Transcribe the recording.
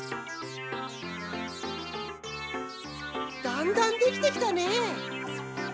だんだんできてきたね。